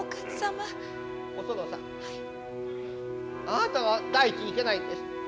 あなたが第一にいけないんです。